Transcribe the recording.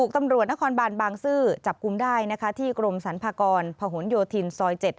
ตำรวจนครบานบางซื่อจับกลุ่มได้นะคะที่กรมสรรพากรพหนโยธินซอย๗